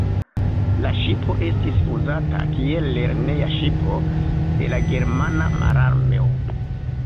La ŝipo estis uzata kiel lerneja ŝipo de la Germana Mararmeo.